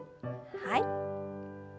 はい。